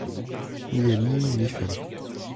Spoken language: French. Ni ami, ni femme.